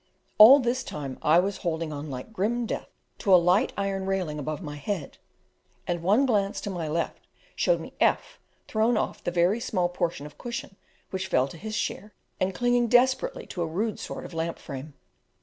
All this time I was holding on like grim death to a light iron railing above my head, and one glance to my left showed me F thrown off the very small portion of cushion which fell to his share, and clinging desperately to a rude sort of lamp frame.